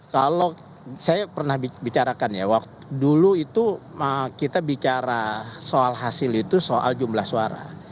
kalau saya pernah bicarakan ya dulu itu kita bicara soal hasil itu soal jumlah suara